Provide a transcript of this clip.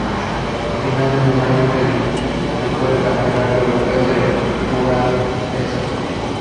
A finales de mayo se disputó el Campeonato Europeo en Budapest.